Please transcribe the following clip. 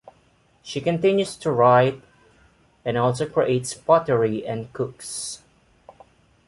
She continues to write, and also creates pottery and cooks.